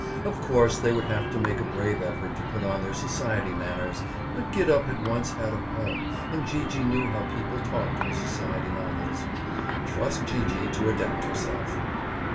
Of course, they would have to make a brave effort to put on their society manners, but Gid up had once had a home and Gee gee knew how people talked in the society novels. Trust Gee gee to adapt herself!